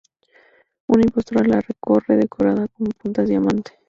Una imposta la recorre decorada con puntas de diamante.